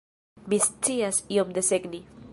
Mi scias iom desegni.